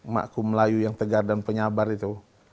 makum melayu yang tegar dan penyabar itu